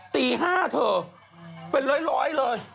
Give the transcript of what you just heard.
ตีห้าเถอะเป็นร้อยเลย